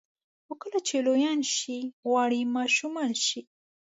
خو کله چې لویان شوئ غواړئ ماشومان شئ.